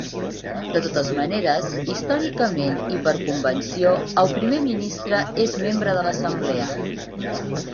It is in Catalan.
De totes maneres, històricament i per convenció, el primer ministre és membre de l'Assemblea.